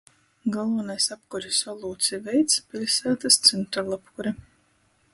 Golvonais apkuris olūts i veids – piļsātys centralapkure.